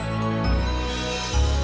sekarang kita pulang aja ya